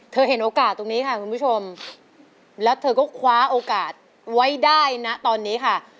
เห็นโอกาสตรงนี้ค่ะคุณผู้ชมแล้วเธอก็คว้าโอกาสไว้ได้นะตอนนี้ค่ะ